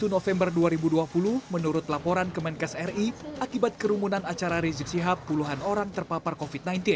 dua puluh november dua ribu dua puluh menurut laporan kemenkes ri akibat kerumunan acara rizik sihab puluhan orang terpapar covid sembilan belas